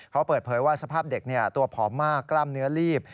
เขาเปิดเผยว่าสภาพเด็กตัวผอมมากกล้ามเนื้อลีบ